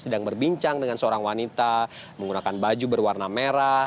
sedang berbincang dengan seorang wanita menggunakan baju berwarna merah